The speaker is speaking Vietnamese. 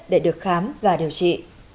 để được khám và điều trị